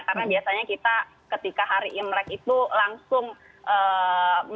karena biasanya kita ketika hari imlek itu langsung eee mengerjakan